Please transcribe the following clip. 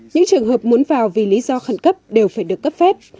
những trường hợp muốn vào vì lý do khẩn cấp đều phải được cấp phép